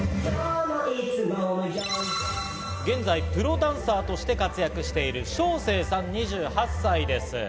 現在プロダンサーとして活躍している将清さん、２８歳です。